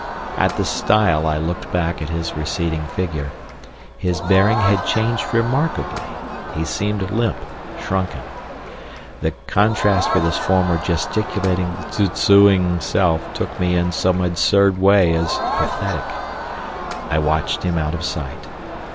At the stile I looked back at his receding figure. His bearing had changed remarkably, he seemed limp, shrunken. The contrast with his former gesticulating, zuzzoing self took me in some absurd way as pathetic. I watched him out of sight.